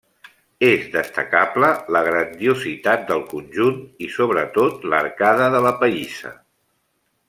És destacable la grandiositat del conjunt i sobretot l'arcada de la pallissa.